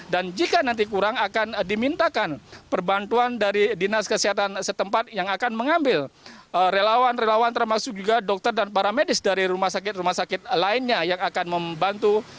dan jika nanti kurang akan dimintakan perbantuan dari dinas kesehatan setempat yang akan mengambil relawan relawan termasuk juga dokter dan para medis dari rumah sakit rumah sakit lainnya yang akan membantu